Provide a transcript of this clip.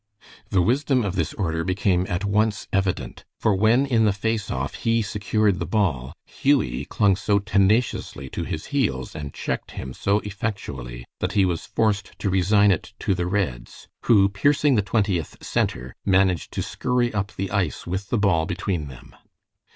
The wisdom of this order became at once evident, for when in the face off he secured the ball, Hughie clung so tenaciously to his heels and checked him so effectually, that he was forced to resign it to the Reds, who piercing the Twentieth center, managed to scurry up the ice with the ball between them.